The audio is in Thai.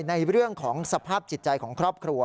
ในเรื่องของสภาพจิตใจของครอบครัว